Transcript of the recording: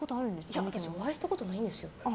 いや、私お会いしたことないんですよ。